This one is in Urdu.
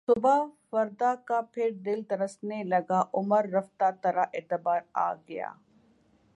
صبح فردا کو پھر دل ترسنے لگا عمر رفتہ ترا اعتبار آ گیا